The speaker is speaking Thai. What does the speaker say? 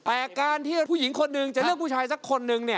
แต่การที่ผู้หญิงคนหนึ่งจะเลือกผู้ชายสักคนนึง